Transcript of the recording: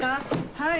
はい。